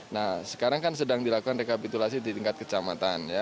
nah sekarang kan sedang dilakukan rekapitulasi di tingkat kecamatan ya